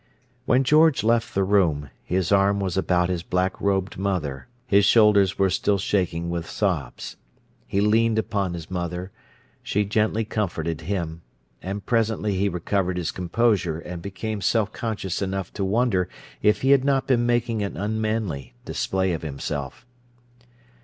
When George left the room, his arm was about his black robed mother, his shoulders were still shaken with sobs. He leaned upon his mother; she gently comforted him; and presently he recovered his composure and became self conscious enough to wonder if he had not been making an unmanly display of himself.